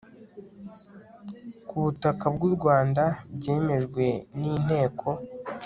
ku butaka bw u rwanda byemejwe n inteko